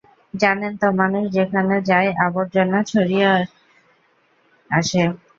জানেন তো, মানুষ যেখানেই যায় আবর্জনা ছড়িয়ে আসে।